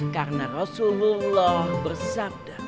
karena rasulullah bersabda